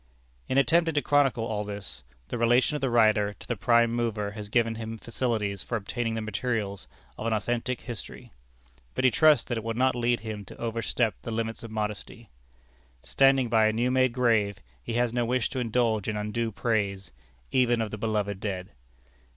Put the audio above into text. In attempting to chronicle all this, the relation of the writer to the prime mover has given him facilities for obtaining the materials of an authentic history; but he trusts that it will not lead him to overstep the limits of modesty. Standing by a new made grave, he has no wish to indulge in undue praise even of the beloved dead.